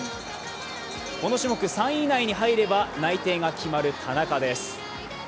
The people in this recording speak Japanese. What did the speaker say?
この種目３位以内に入れば内定が決まる田中です。